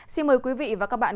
xin mời quý vị và các bạn